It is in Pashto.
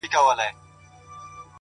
علم د بریا اساسي شرط دی